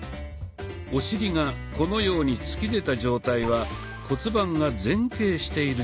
お尻がこのように突き出た状態は骨盤が前傾している状態。